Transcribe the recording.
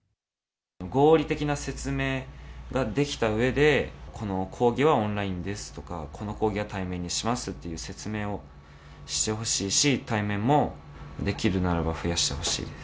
合理的な説明ができたうえで、この講義はオンラインですとか、この講義は対面にしますという説明をしてほしいし、対面も、できるならば増やしてほしい。